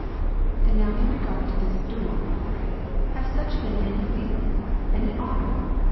And now in regard to this duel ! Have such men any feeling, any honor